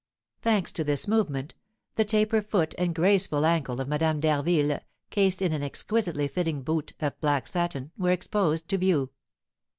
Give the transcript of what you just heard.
Thanks to this movement, the taper foot and graceful ankle of Madame d'Harville, cased in an exquisitely fitting boot of black satin, were exposed to view.